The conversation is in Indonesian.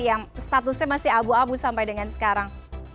yang statusnya masih abu abu sampai dengan sekarang